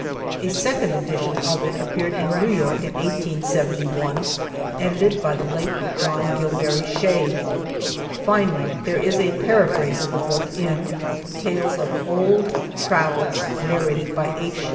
A second edition of it appeared at New York in 1871, edited by the late John Gilmary Shea. Finally there is a paraphrase of the book in Tcdes of Old Travels, Nar rated by H.